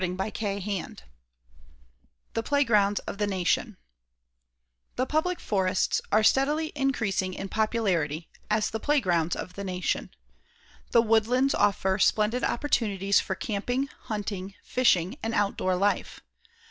CHAPTER XII THE PLAYGROUNDS OF THE NATION The public forests are steadily increasing in popularity as the playgrounds of the Nation. The woodlands offer splendid opportunities for camping, hunting, fishing and outdoor life.